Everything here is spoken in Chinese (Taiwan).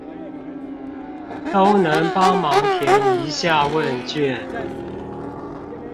都能幫忙填一下問卷